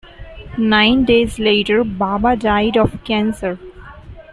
Nine days later, Baba died of cancer.